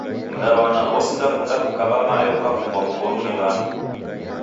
Mdawana osindakunda kukaba mae ukafungwa mkonu ni wandu